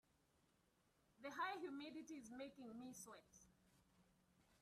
The high humidity is making me sweat.